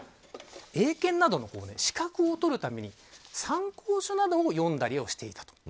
英検などの資格を取るために参考書などを読んだりしていた。